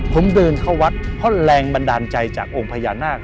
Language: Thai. ผมเดินเข้าวัดเพราะแรงบันดาลใจจากองค์พญานาค